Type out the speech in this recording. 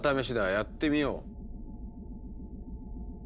やってみよう。